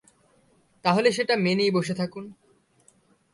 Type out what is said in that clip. তাহলে সেটা মেনেই বসে থাকুন।